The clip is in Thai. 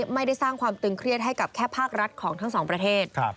ไม่ได้สร้างความตึงเครียดให้กับแค่ภาครัฐของทั้งสองประเทศ